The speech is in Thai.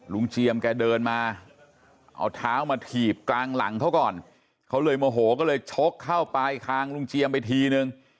เจียมแกเดินมาเอาเท้ามาถีบกลางหลังเขาก่อนเขาเลยโมโหก็เลยชกเข้าปลายคางลุงเจียมไปทีนึง